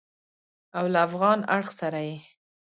او له افغان اړخ سره یې